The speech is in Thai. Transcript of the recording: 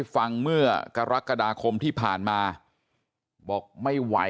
แล้วก็ยัดลงถังสีฟ้าขนาด๒๐๐ลิตร